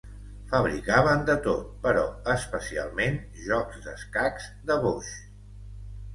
Fabricaven de tot, però especialment jocs d'escacs de boix.